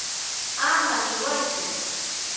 Ama niwaychu.